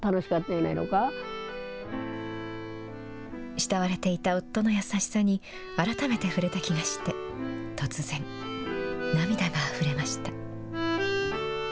慕われていた夫の優しさに改めて触れた気がして突然、涙があふれました。